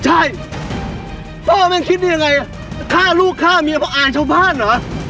ใช่พ่อแม่คิดได้ยังไงฆ่าลูกฆ่าเมียเพราะอ่านชาวบ้านเหรอ